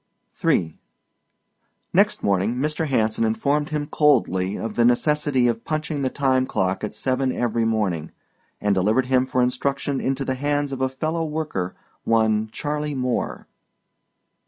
III Next morning Mr. Hanson informed him coldly of the necessity of punching the time clock at seven every morning, and delivered him for instruction into the hands of a fellow worker, one Charley Moore.